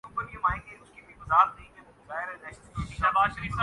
تو پاکستان آئیں۔